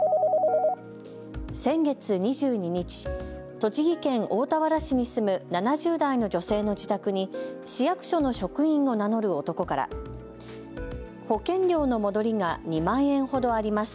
先月２２日、栃木県大田原市に住む７０代の女性の自宅に市役所の職員を名乗る男から保険料の戻りが２万円ほどあります。